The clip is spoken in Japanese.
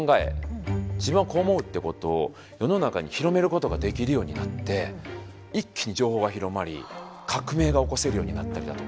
自分はこう思うってことを世の中に広めることができるようになって一気に情報が広まり革命が起こせるようになったりだとか。